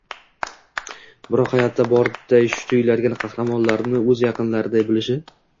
biroq hayotda borday tuyuladigan qahramonlarini oʻz yaqinlariday bilishi